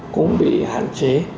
cũng bị hạn chế